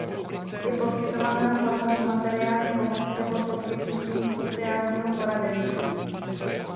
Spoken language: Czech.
Je poskytována formou materiální pomoci nebo poskytnutím sociálního poradenství.